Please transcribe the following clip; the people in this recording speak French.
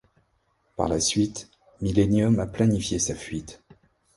Par la suite, Millenium a planifié sa fuite.